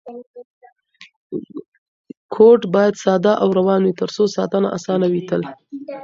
کوډ باید ساده او روان وي ترڅو ساتنه اسانه وي تل.